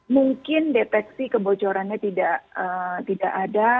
mungkin deteksi kebocorannya tidak ada